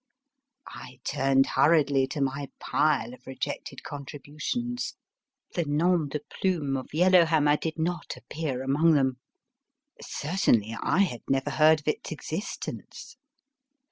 I turned hurriedly to my pile of rejected contributions the nom de plume of Yellow Hammer did not appear among them ; 264 MY FIRST BOOK certainly I had never heard of its existence.